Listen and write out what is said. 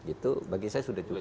itu bagi saya sudah cukup